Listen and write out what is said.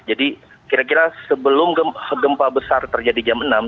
jadi kira kira sebelum gempa besar terjadi jam enam